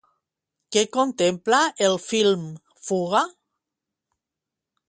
Què contempla el film Fuga?